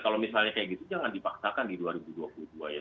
kalau misalnya kayak gitu jangan dipaksakan di dua ribu dua puluh dua ya